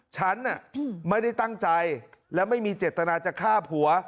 ฉันไม่ได้ตั้งใจและไม่มีเจตนาจะฆ่าผัว